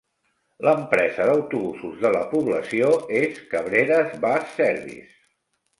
L'empresa d'autobusos de la població és Cabrera's Bus Service.